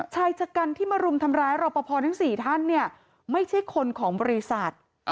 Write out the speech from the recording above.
ชายชะกันที่มารุมทำร้ายรอปภทั้ง๔ท่านเนี่ยไม่ใช่คนของบริษัท